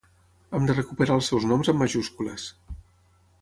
Hem de recuperar els seus noms amb majúscules.